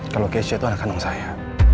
kalau keisha itu anak kandung saya